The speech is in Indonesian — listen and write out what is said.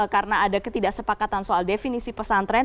karena ada ketidaksepakatan soal definisi pesantren